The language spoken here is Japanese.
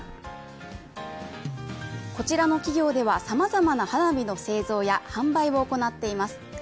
こちらの企業ではさまざまな花火の製造や販売を行っています。